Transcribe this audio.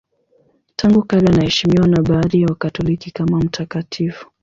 Tangu kale anaheshimiwa na baadhi ya Wakatoliki kama mtakatifu.